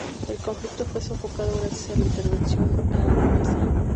El conflicto fue sofocado gracias a la intervención aragonesa.